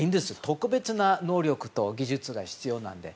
特別な能力と技術が必要なので。